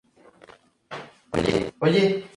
Su pasta es blanda, como natillas con pequeños poros.